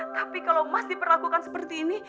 tapi kalau mas diperlakukan seperti ini